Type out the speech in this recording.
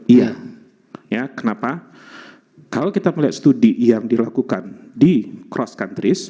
iya kenapa kalau kita melihat studi yang dilakukan di cross countries